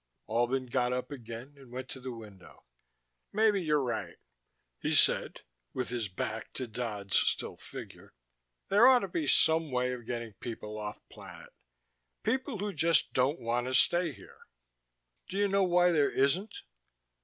Albin got up again and went to the window. "Maybe you're right," he said with his back to Dodd's still figure. "There ought to be some way of getting people off planet, people who just don't want to stay here." "Do you know why there isn't?"